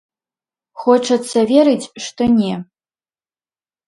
Хочацца верыць, што не.